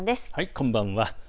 こんばんは。